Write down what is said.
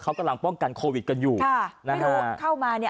เขากำลังป้องกันโควิดกันอยู่ค่ะนะฮะเข้ามาเนี่ย